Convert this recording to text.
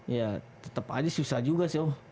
ya tetep aja susah juga sih